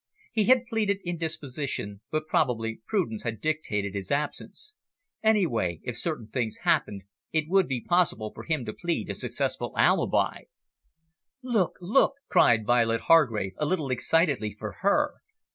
He had pleaded indisposition, but probably prudence had dictated his absence. Anyway, if certain things happened, it would be possible for him to plead a successful alibi. "Look, look!" cried Violet Hargrave, a little excitedly for her.